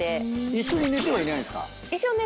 一緒に寝てはいないです。